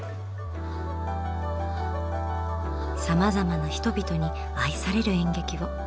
さまざまな人々に愛される演劇を。